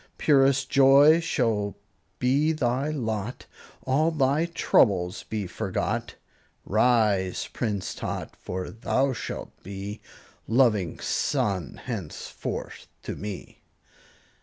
Purest joy shall be thy lot, All thy troubles be forgot; Rise, Prince Tot, for thou shalt be Loving son henceforth to me!